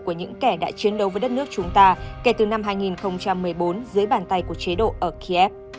của những kẻ đã chiến đấu với đất nước chúng ta kể từ năm hai nghìn một mươi bốn dưới bàn tay của chế độ ở kiev